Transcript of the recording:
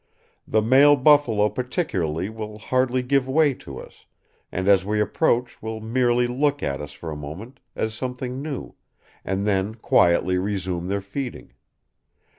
"The male buffalo particularly will hardly give way to us, and as we approach will merely look at us for a moment, as something new, and then quietly resume their feeding....